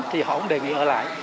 thì họ cũng đề nghị ở lại